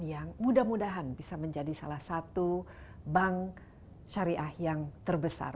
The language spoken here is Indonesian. yang mudah mudahan bisa menjadi salah satu bank syariah yang terbesar